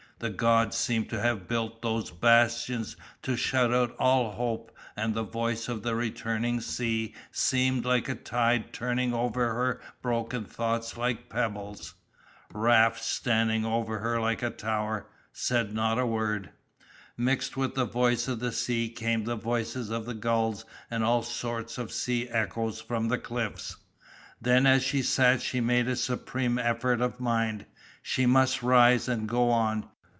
The gods seemed to have built those bastions to shut out all hope and the voice of the returning sea seemed like a tide turning over her broken thoughts like pebbles. Raft standing over her like a tower said not a word. Mixed with the voice of the sea came the voices of the gulls and all sorts of sea echoes from the cliffs. Then as she sat she made a supreme effort of mind. She must rise and go on.